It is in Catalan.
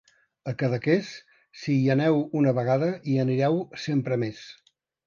A Cadaqués, si hi aneu una vegada, hi anireu sempre més.